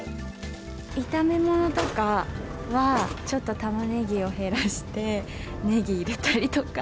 炒め物とかはちょっとたまねぎを減らして、ネギ入れたりとか。